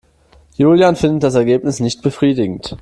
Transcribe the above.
Julian findet das Ergebnis nicht befriedigend.